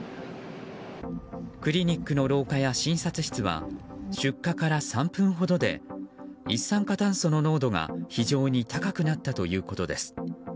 クリニックの廊下や診察室は出火から３分ほどで一酸化炭素の濃度が非常に高くなったということです。